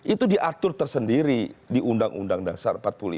itu diatur tersendiri di undang undang dasar empat puluh lima